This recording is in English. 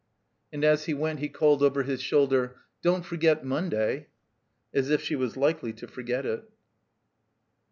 And as he went he called over his shoulder, "Don't forget Monday." As if she was likely to forget it!